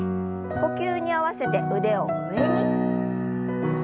呼吸に合わせて腕を上に。